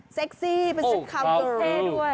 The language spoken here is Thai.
เซ็กซี่เป็นชุดคาวเกิร์ล